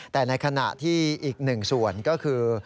แต่ในขณะที่อีกหนึ่งส่วนก็คือ